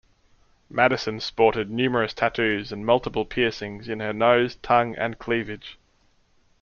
Madison sported numerous tattoos and multiple piercings in her nose, tongue and cleavage.